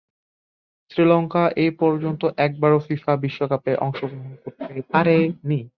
শ্রীলঙ্কা এপর্যন্ত একবারও ফিফা বিশ্বকাপে অংশগ্রহণ করতে পারেনি।